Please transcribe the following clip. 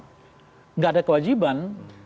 tidak ada kewajiban